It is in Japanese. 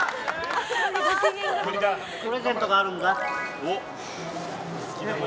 プレゼントがあるんだ。